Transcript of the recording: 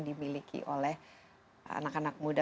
dimiliki oleh anak anak muda